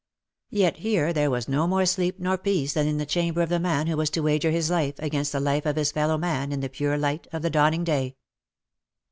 Yet here there was no more sleep nor peace than in the chamber of the man who was to wager his life against the life of his fellow man in the pure light of the dawning day.